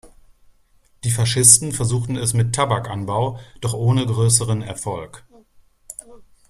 Die Faschisten versuchten es mit Tabakanbau, doch ohne größeren Erfolg.